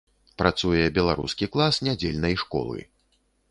Працуе беларускі клас нядзельнай школы.